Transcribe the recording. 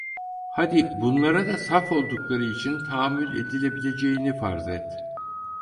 Hadi bunlara da saf oldukları için tahammül edilebileceğini farz et!